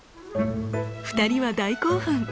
２人は大興奮。